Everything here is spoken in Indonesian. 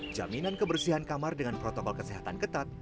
jaminan kebersihan kamar dengan protokol kesehatan ketat